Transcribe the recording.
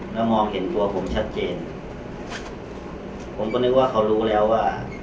แล้วมองเห็นตัวผมชัดเจนผมก็นึกว่าเขารู้แล้วว่า